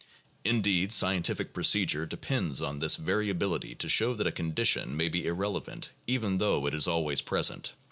Indeed, scientific procedure depends on this very ability to show that a condition may be irrelevant even though it is always present.